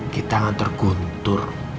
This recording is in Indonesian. kita akan terguntur